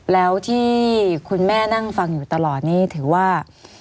แล้วที่คุณแม่นั่งฟังอยู่ตลอดนี่ถือว่า